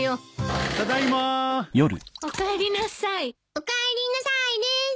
おかえりなさいです。